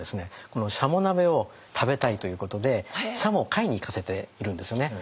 このしゃも鍋を食べたいということでしゃもを買いに行かせているんですよね。